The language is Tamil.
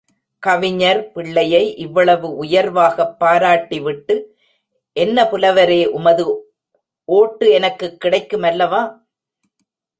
கவிஞர் பிள்ளையை இவ்வளவு உயர்வாகப் பாராட்டி விட்டு, என்ன புலவரே உமது ஓட்டு எனக்குக் கிடைக்கும் அல்லவா?